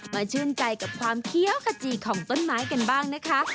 ชื่นใจกับความเคี้ยวขจีของต้นไม้กันบ้างนะคะ